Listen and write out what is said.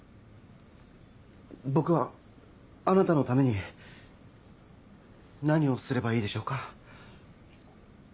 僕はあなたのために何をすればいいでしょうか？